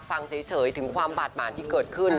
ฟังเฉยถึงความบาดหมานที่เกิดขึ้น